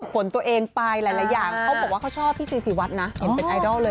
ตัวเองไปหลายอย่างเขาบอกว่าเขาชอบพี่ซีซีวัดนะเห็นเป็นไอดอลเลย